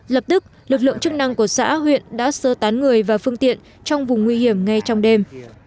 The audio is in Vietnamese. lập tức lực lượng chức năng của xã huyện đã sơ tán người và phương tiện trong vùng nguy hiểm ngay trong đêm